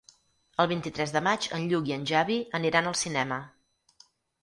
El vint-i-tres de maig en Lluc i en Xavi aniran al cinema.